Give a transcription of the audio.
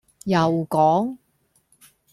又講